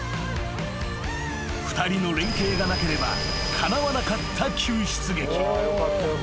［２人の連携がなければかなわなかった］